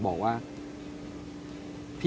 ขอบคุณมาก